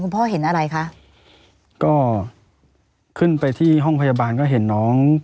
พ่อเห็นอะไรคะก็ขึ้นไปที่ห้องพยาบาลก็เห็นน้อง